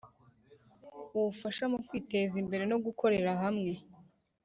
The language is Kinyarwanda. Ubufasha mu kwiteza imbereno gukorera hamwe